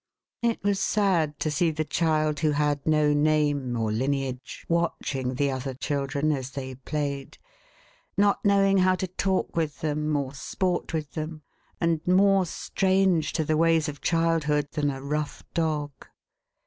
It was sad to see the child who had no name or lineage, watching the other children as they played, not knowing how to talk with them, or sport with them, and more strange to the ways of childhood than a rough dog.